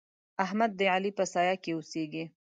احمد د علي په سايه کې اوسېږي.